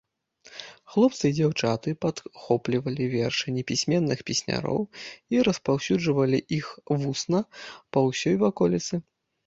Хлопцы і дзяўчаты падхоплівалі вершы непісьменных песняроў і распаўсюджвалі іх вусна па ўсёй ваколіцы.